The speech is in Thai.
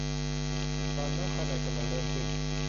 การนับคะแนนกำลังเริ่มขึ้น